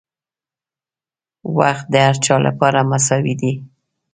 • وخت د هر چا لپاره مساوي دی.